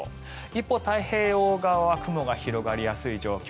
一方、太平洋側は雲が広がりやすい状況